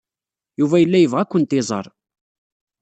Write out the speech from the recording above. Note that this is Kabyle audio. Yuba yella yebɣa ad kent-iẓer.